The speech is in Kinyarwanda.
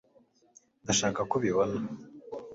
ndashaka ko ubibona